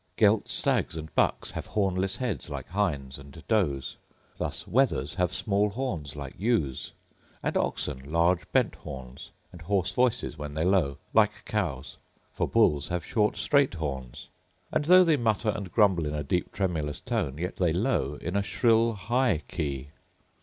Gelt stags and bucks have hornless heads, like hinds and does. Thus wethers have small horns, like ewes; and oxen large bent horns, and hoarse voices when they low, like cows: for bulls have short straight horns; and though they mutter and grumble in a deep tremendous tone, yet they low in a shrill high key.